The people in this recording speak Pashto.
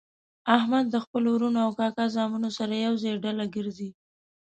احمد د خپلو ورڼو او کاکا زامنو سره ېوځای ډله ګرځي.